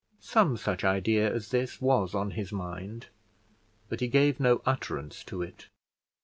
Some such idea as this was on his mind, but he gave no utterance to it.